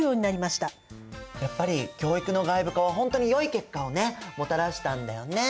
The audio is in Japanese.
やっぱり教育の外部化はほんとによい結果をねもたらしたんだよね。